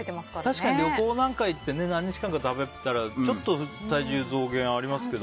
確かに旅行に行って何日間か食べるとちょっと体重増減ありますけど。